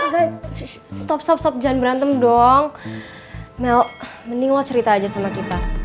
guys stop stop stop jangan berantem dong mel mending lo cerita aja sama kita